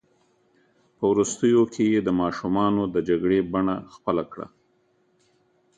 په وروستیو کې یې د ماشومانو د جګړې بڼه خپله کړه.